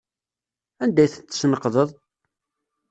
Anda ay tent-tesneqdeḍ?